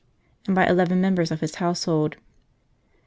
and by eleven members of his household.